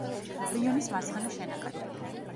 რიონის მარცხენა შენაკადი.